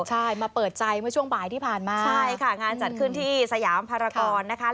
ใช่มาเปิดใจเมื่อช่วงบ่ายที่ผ่านมาใช่ค่ะงานจัดขึ้นที่สยามภารกรนะคะ